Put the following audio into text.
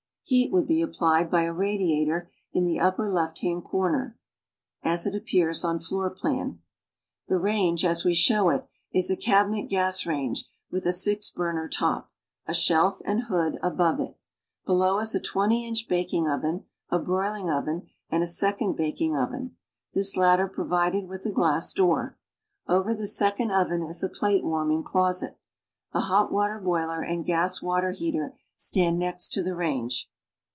Heat would be su[)plied by a radiator in the upper left hand corner (as it appears on floor plan). The range, as w^e show it, is a cabinet gas range with a six burner top, a shelf and hood above it. Below is a twenty inch baking OA^en, a broiling oven, and a second baking oven; this latter provided with a glass door. Over this second oven is a plate warming closet. A hot water boiler and gas water heater stand next to the range.